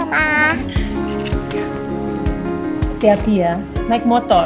tepi tepi ya naik motor